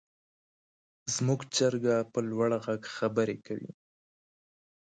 زموږ چرګه په لوړ غږ خبرې کوي.